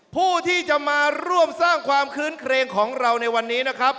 ผู้ที่จะมาร่วมสร้างความคื้นเครงของเราในวันนี้นะครับ